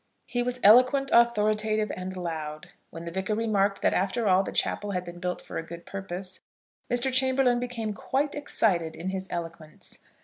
He was eloquent, authoritative and loud. When the Vicar remarked that after all the chapel had been built for a good purpose, Mr. Chamberlaine became quite excited in his eloquence.